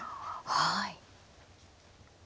はい。